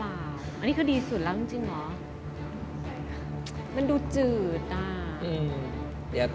มันดูแล้วมันดูซีดเสียว